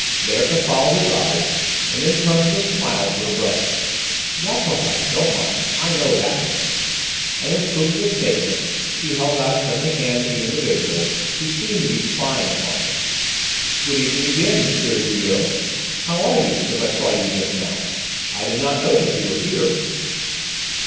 Berthe followed his eyes, and then turned with a smile to her brother. "That's all right; don't mind; I know that man," and in proof of the statement she held out a friendly hand to the individual who seemed to be spying upon them. "Good evening again, M. Julot: how are you, since I saw you just now? I did not notice you were here."